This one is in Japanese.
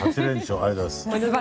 ありがとうございます。